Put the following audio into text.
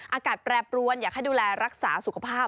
อากาศแปรปรวนอยากให้ดูแลรักษาสุขภาพ